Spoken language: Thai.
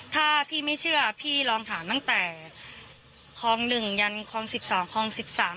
ถ้าพี่ไม่เชื่อพี่ลองถามตั้งแต่คลองหนึ่งยันคลองสิบสองคลองสิบสาม